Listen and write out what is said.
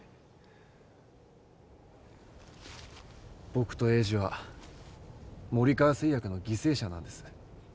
僕と栄治は森川製薬の犠牲者なんです。